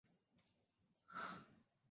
唐会昌五年因唐武宗灭佛而被毁。